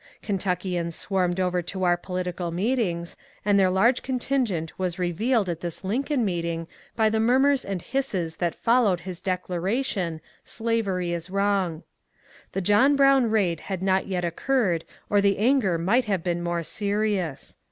Kentnckians swarmed over to oar political meetings, and their large contingent was revealed at this Lincoln meeting by the murmurs and hisses that followed his declaration, '^ Slavery is wrong !" The John Brown raid had not yet occurred or the anger might have been more serious.